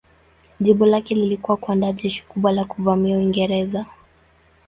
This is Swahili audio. Jibu lake lilikuwa kuandaa jeshi kubwa la kuvamia Uingereza.